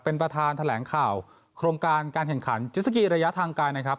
เป็นประธานแถลงข่าวโครงการการแข่งขันเจ็ดสกีระยะทางไกลนะครับ